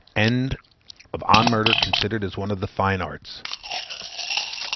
SECOND PAPER ON MURDER, CONSIDERED AS ONE OF THE FINE ARTS.